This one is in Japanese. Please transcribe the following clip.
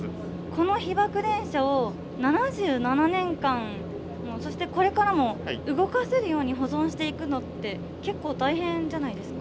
この被爆電車を７７年間もそしてこれからも動かせるように保存していくのって結構大変じゃないですか？